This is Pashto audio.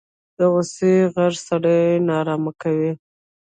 د غوسې غږ سړی نارامه کوي